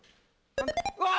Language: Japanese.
うわ！